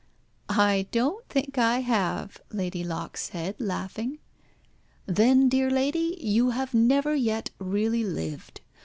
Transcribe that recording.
"I don't think I have," Lady Locke said, laughing. "Then, dear lady, you have never yet really lived.